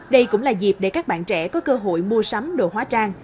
đây cũng là dịp để các bạn trẻ có cơ hội mua sắm đồ hóa trang